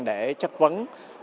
để trách vấn